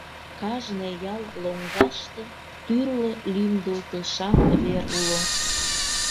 Кажне ял лоҥгаште тӱрлӧ лӱмдылтышан вер уло.